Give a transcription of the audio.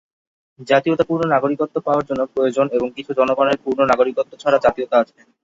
জাতীয়তা পূর্ণ নাগরিকত্ব পাওয়ার জন্য প্রয়োজন এবং কিছু জনগনের পূর্ণ নাগরিকত্ব ছাড়া জাতীয়তা আছে।